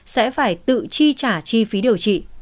sẽ phải tự chi trả chi phí điều trị